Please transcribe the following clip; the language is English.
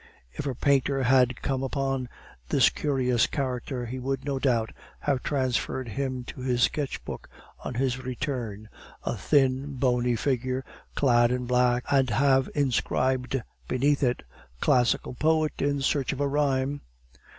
If a painter had come upon this curious character, he would, no doubt, have transferred him to his sketchbook on his return, a thin, bony figure, clad in black, and have inscribed beneath it: "Classical poet in search of a rhyme."